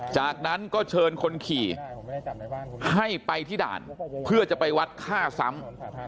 จากนั้นก็เชิญคนขี่ให้ไปที่ด่านเพื่อจะไปวัดฆ่าซ้ำ